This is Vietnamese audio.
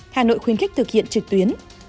hà nội khuyến khích thực hiện trực tuyến